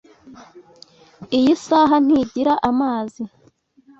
Iyi saha ntigira amazi.